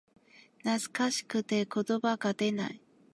懐かしくて言葉が出ない